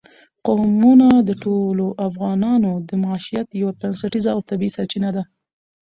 قومونه د ټولو افغانانو د معیشت یوه بنسټیزه او طبیعي سرچینه ده.